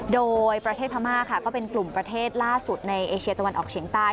โดยประเทศพม่าค่ะก็เป็นกลุ่มประเทศล่าสุดในเอเชียตะวันออกเฉียงใต้